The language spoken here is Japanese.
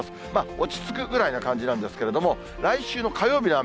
落ち着くぐらいな感じなんですけれども、来週の火曜日は雨。